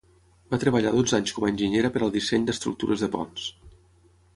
Va treballar dotze anys com a enginyera per al disseny d'estructures de ponts.